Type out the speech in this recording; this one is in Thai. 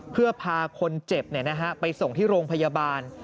เพื่อพาคนเจ็บไปส่งที่โรงพยาบาล